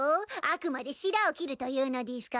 あくまでしらを切るというのでぃすか？